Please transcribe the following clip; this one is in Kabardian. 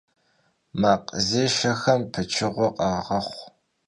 Makhzêşşexem pıçığue khağexhu.